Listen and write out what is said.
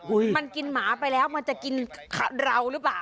มันกินหมาไปแล้วมันจะกินเราหรือเปล่า